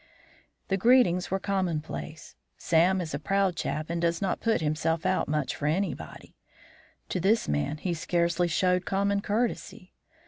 The greetings were commonplace. Sam is a proud chap and does not put himself out much for anybody. To this man he scarcely showed common courtesy.